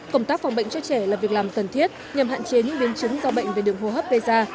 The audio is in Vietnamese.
công tác phòng bệnh cho trẻ là việc làm cần thiết nhằm hạn chế những biến chứng do bệnh về đường hô hấp gây ra